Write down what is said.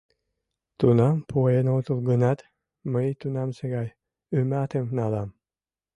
— Тунам пуэн отыл гынат, мый тунамсе гай ӱматым налам.